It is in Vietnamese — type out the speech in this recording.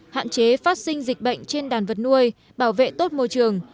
hạn chế phát sinh dịch bệnh trên đàn vật nuôi bảo vệ tốt môi trường